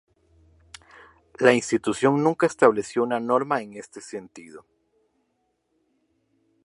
La institución nunca estableció una norma en este sentido.